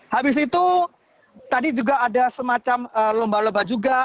habis itu tadi juga ada semacam lomba lomba juga